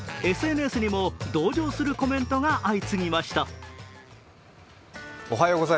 ＳＮＳにも同情するコメントが相次ぎました。